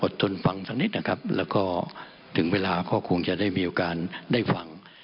ทนฟังสักนิดนะครับแล้วก็ถึงเวลาก็คงจะได้มีโอกาสได้ฟัง